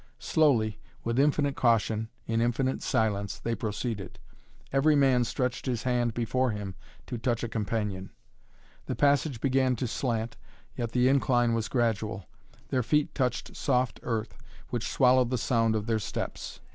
Slowly, with infinite caution, in infinite silence, they proceeded. Every man stretched his hand before him to touch a companion. The passage began to slant, yet the incline was gradual. Their feet touched soft earth which swallowed the sound of their steps.